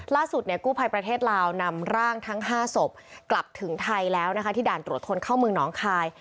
กู้ภัยประเทศลาวนำร่างทั้ง๕ศพกลับถึงไทยแล้วนะคะที่ด่านตรวจคนเข้าเมืองน้องคาย